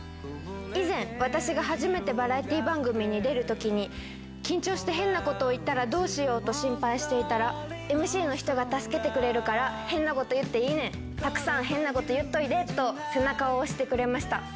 以前、私が初めてバラエティ番組に出るときに、緊張して変なことを言ったらどうしようと心配していたら、ＭＣの人が助けてくれるから、変なこと言っていいねん、たくさん変なこと言っといでと、背中を押してくれました。